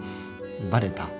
バレた？